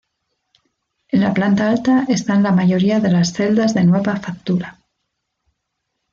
En la planta alta están la mayoría de las celdas de nueva factura.